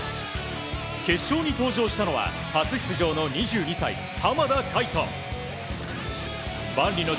決勝に登場したのは、初出場の２２歳、浜田海人。